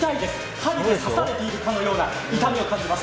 針で刺されているような痛みを感じます。